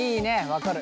分かる。